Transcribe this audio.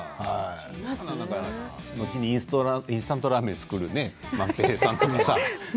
のちにインスタントラーメンを作る萬平さんとか。